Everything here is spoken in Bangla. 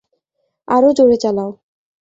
আরও জোড়ে চালাও!